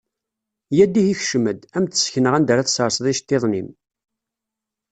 Yya-d ihi kcem-d, ad am-d-sekneɣ anda ara tserseḍ iceṭṭiḍen-im.